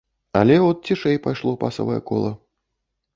Але от цішэй пайшло пасавае кола.